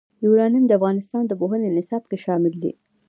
یورانیم د افغانستان د پوهنې نصاب کې شامل دي.